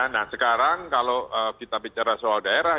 nah sekarang kalau kita bicara soal daerah